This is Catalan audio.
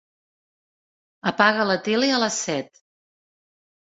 Apaga la tele a les set.